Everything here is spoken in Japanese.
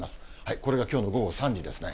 これがきょうの午後３時ですね。